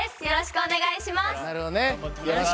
よろしくお願いします。